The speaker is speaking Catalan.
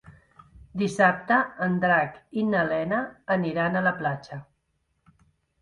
Dissabte en Drac i na Lena aniran a la platja.